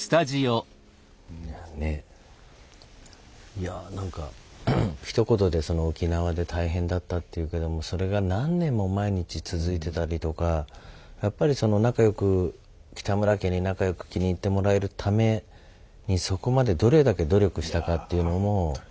いやなんかひと言で「沖縄で大変だった」って言うけどもそれが何年も毎日続いてたりとかやっぱり北村家に仲良く気に入ってもらえるためにそこまでどれだけ努力したかっていうのも。